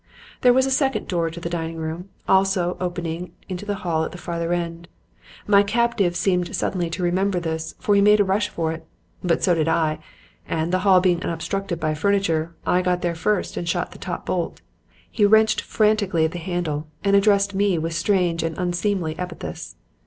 "There was a second door to the dining room also opening into the hall at the farther end. My captive seemed suddenly to remember this, for he made a rush for it. But so did I; and, the hall being unobstructed by furniture, I got there first and shot the top bolt. He wrenched frantically at the handle and addressed me with strange and unseemly epithets.